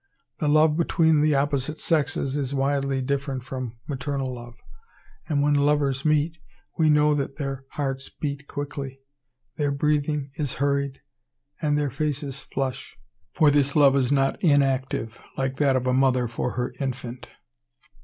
The love between the opposite sexes is widely different from maternal love; and when lovers meet, we know that their hearts beat quickly, their breathing is hurried, and their faces flush; for this love is not inactive like that of a mother for her infant.